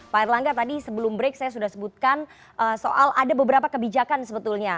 pak erlangga tadi sebelum break saya sudah sebutkan soal ada beberapa kebijakan sebetulnya